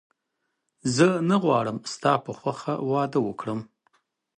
زه نه غواړم ستا په خوښه واده وکړم